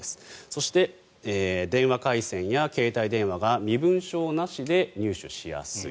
そして、電話回線や携帯電話が身分証なしで入手しやすい。